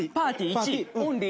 １「オンリー」